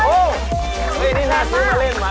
โอ้โฮโอ้โฮโอ้โฮโอ้โฮ